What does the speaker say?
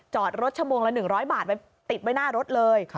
จอดรถชั่วโมงละ๑๐๐บาทไปติดไว้หน้ารถเลย